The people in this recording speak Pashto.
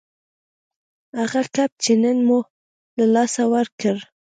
هغه کب چې نن مو له لاسه ورکړ